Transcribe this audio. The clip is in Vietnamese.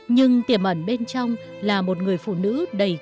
nhưng tiềm ẩn bên trong là một người phụ nữ đầy kinh tế